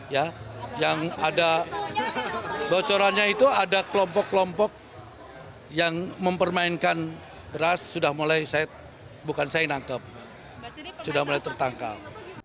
ya yang ada bocorannya itu ada kelompok kelompok yang mempermainkan ras sudah mulai saya bukan saya nangkep sudah mulai tertangkap